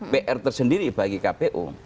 pr tersendiri bagi kpu